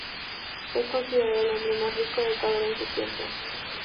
Es considerado el hombre más rico de Ecuador, en su tiempo.